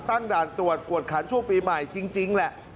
ด่านตรวจกวดขันช่วงปีใหม่จริงแหละ